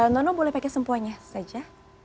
nono boleh pakai sempuanya saja